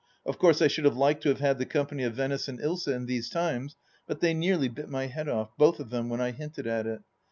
Of course I should have liked to have had the company of Venice and Ilsa in these times, but they nearly bit my head off, both of them, when I hinted at it.